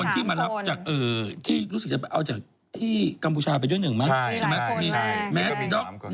๓คนที่รู้สึกจะเอาจากที่กัมพูชาไปด้วยหนึ่งมั้ยใช่มีหลายคน